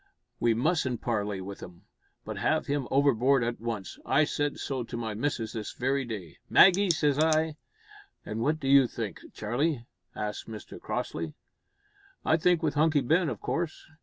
"We mustn't parley with him, but heave him overboard at once! I said so to my missus this very day. `Maggie,' says I " "And what do you think, Charlie?" asked Mr Crossley. "I think with Hunky Ben, of course.